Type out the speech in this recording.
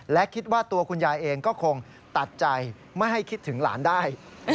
และคิดว่าตัวคุณยายเองก็คงตัดใจไม่ให้คิดถึงหลานได้